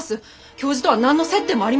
教授とは何の接点もありません。